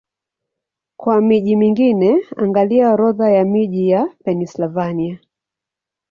Kwa miji mingine, angalia Orodha ya miji ya Pennsylvania.